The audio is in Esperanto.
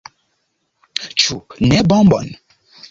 Ĉu ne bombon?